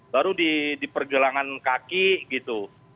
baru di pergelangan kaki gitu